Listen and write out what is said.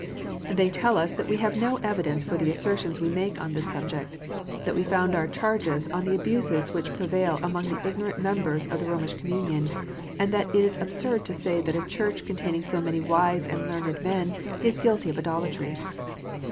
They tell us that we have no evidence for the assertions we make on this subject ; that we found our charges on the abuses which prevail among the ignorant members of the Romish communion ; and that it is absurd to say that a Church con taining so many wise and learned men, is guilty of idolatry.